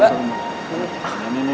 beda kalau disuapin